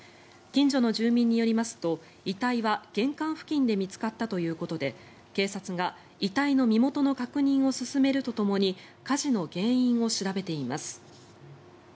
近所の住民によりますと遺体は玄関付近で見つかったということで警察が遺体の身元の確認を進めるとともに火事の原因を調べています。